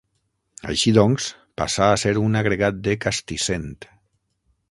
Així doncs, passà a ser un agregat de Castissent.